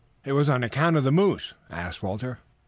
"It was on account of the moose?" asked Walter.